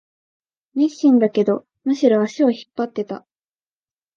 熱心だけど、むしろ足を引っ張ってた